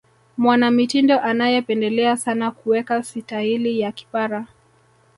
mwanamitindo anayependelea sana kuweka sitaili ya kipara